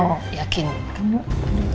tidak kenapa kenapa mama